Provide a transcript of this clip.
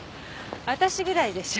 私ぐらいでしょ。